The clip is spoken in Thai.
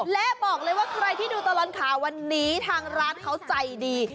และบอกเลยว่าใครที่ดูตลอดข่าววันนี้ทางร้านเขาใจดี